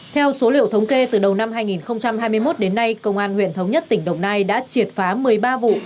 theo số liệu thống kê từ đầu năm hai nghìn hai mươi một đến nay công an huyện thống nhất tỉnh đồng nai đã triệt phá một mươi ba vụ